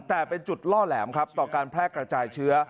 แต่เป็นจุดล่อแหลมครับต่อการแพร่กระจายเชื้อ